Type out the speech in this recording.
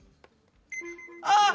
あっ！